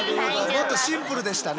もっとシンプルでしたね。